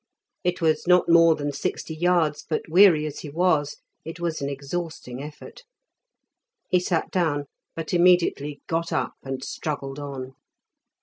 It was not more than sixty yards, but, weary as he was, it was an exhausting effort. He sat down, but immediately got up and struggled on.